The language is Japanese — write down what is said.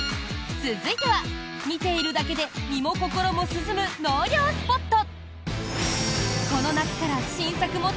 続いては、見ているだけで身も心も涼む納涼スポット。